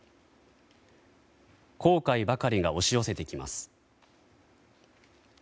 後悔ばかりが押し寄せてきます。